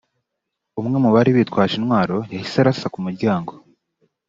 umwe mu bari bitwaje intwaro yahise arasa ku muryango